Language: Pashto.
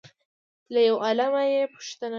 له یو عالمه یې وپوښتل